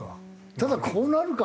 ただこうなるか？